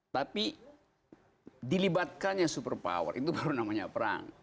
tapi dilibatkannya super power itu baru namanya perang